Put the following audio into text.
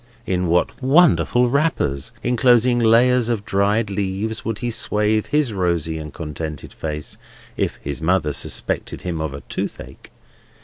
In what wonderful wrappers, enclosing layers of dried leaves, would he swathe his rosy and contented face, if his mother suspected him of a toothache!